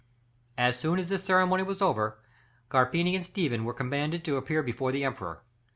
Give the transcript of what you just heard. As soon as this ceremony was over, Carpini and Stephen were commanded to appear before the Emperor.